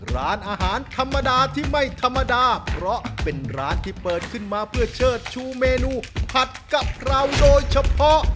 ร้านอาหารธรรมดาที่ไม่ธรรมดาเพราะเป็นร้านที่เปิดขึ้นมาเพื่อเชิดชูเมนูผัดกับเราโดยเฉพาะ